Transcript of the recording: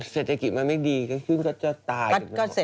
เศรษฐกิจมันไม่ดีก็คือจะตาย